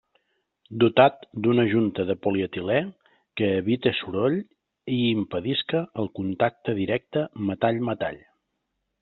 Dotat d'una junta de polietilé, que evite soroll i impedisca el contacte directe metall-metall.